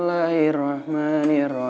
ulan dari nyeremon almaning